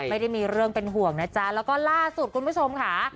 ไม่ได้มีเรื่องเป็นห่วงนะจ๊ะแล้วก็ล่าสุดคุณผู้ชมค่ะ